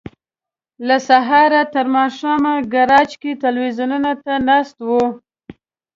له سهاره تر ماښامه ګراج کې ټلویزیون ته ناست وي.